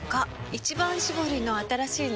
「一番搾り」の新しいの？